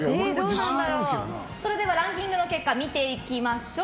それではランキングの結果見ていきましょう。